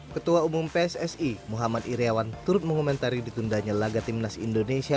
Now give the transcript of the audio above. ketua umum pssi muhammad iryawan turut mengomentari ditundanya laga timnas indonesia